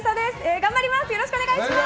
頑張ります！